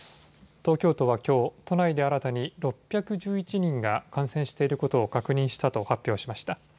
東京都はきょう、都内で新たに６１１人が感染していることを確認したと発表しました。